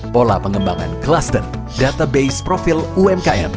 pola pengembangan klaster database profil umkm